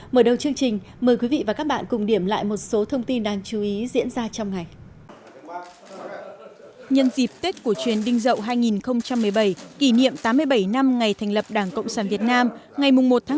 mở đầu chương trình mời quý vị và các bạn cùng điểm lại một số thông tin đáng chú ý diễn ra trong ngày